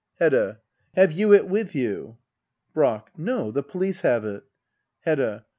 Hedda. Have you it with you ? Brack. No ; the police have it. Hedda.